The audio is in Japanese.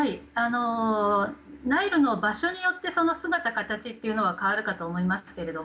ナイルの場所によってその姿、形は変わるかと思いますが。